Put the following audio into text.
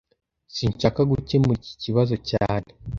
Sinshaka gukemura iki kibazo cyane